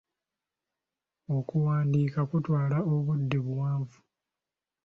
Okuwandiika kutwala obudde buwanvu.